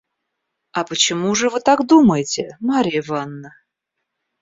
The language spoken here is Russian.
– А почему же вы так думаете, Марья Ивановна?